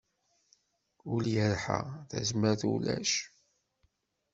Ul yerḥa, tazmert ulac.